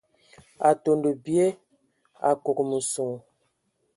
Atondo bye Akogo meson.